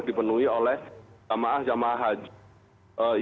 dipenuhi oleh jamaah jamaah haji